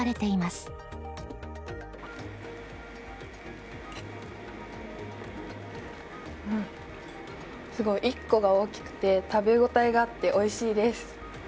すごい、１個が大きくて食べ応えがあっておいしいです。